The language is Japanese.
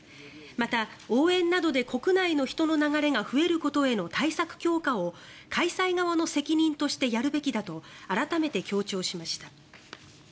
また、応援などで国内の人の流れが増えることへの対策強化を開催側の責任としてやるべきだと改めて強調しました。